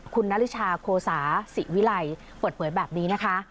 คุณนาริชาโคสาศิวิลัยเปิดเผยแบบนี้นะคะ